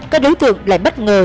các đối tượng lại bất ngờ